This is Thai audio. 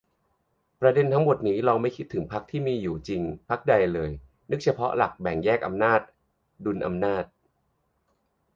ประเด็นทั้งหมดนี้ ลองไม่คิดถึงพรรคที่มีอยู่จริงพรรคใดเลย นึกเฉพาะหลักแบ่งแยกอำนาจ-ดุลอำนาจ